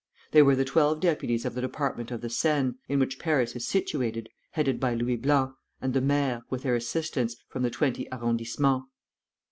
They were the twelve deputies of the Department of the Seine, in which Paris is situated, headed by Louis Blanc, and the maires, with their assistants, from the twenty arrondissements.